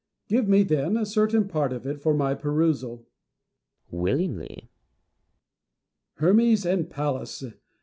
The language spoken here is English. Give me tlien a certain part of it for my perusal. Plato. Willingly. Diogenes. Hermes and Pallas